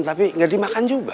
tapi gak dimakan juga